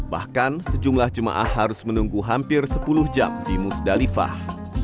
bahkan sejumlah jemaah harus menunggu hampir sepuluh jam di musdalifah